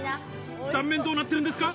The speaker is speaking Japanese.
断面どうなってるんですか？